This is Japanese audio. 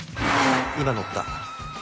今乗った。